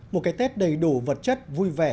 một cái tết đầy đủ vật chất vui vẻ